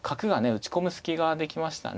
打ち込む隙ができましたね。